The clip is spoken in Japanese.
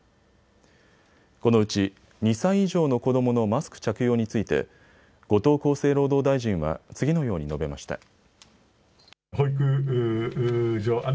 このうち２歳以上の子どものマスク着用について後藤厚生労働大臣は次のように述べました。